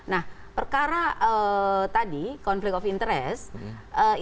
nah perkara tadi konflik of interest